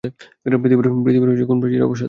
পৃথিবীর কোন প্রাচীন প্রবাদ?